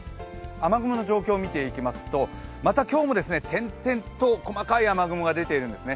雨雲の状況見ていきますとまた今日も点々と細かい雨雲が出ているんですね。